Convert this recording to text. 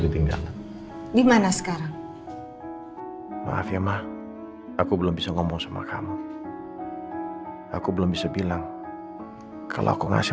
ditinggal dimana sekarang maaf ya mah aku belum bisa ngomong sama kamu aku belum bisa bilang kalau aku masih